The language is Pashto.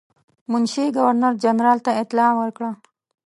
منشي ګورنر جنرال ته اطلاع ورکړه.